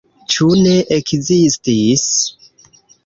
Ĉu ne ekzistis?